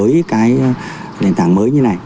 với cái đền tảng mới như này